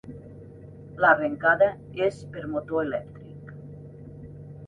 L'arrencada és per motor elèctric.